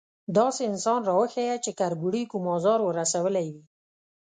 _داسې انسان راوښيه چې کربوړي کوم ازار ور رسولی وي؟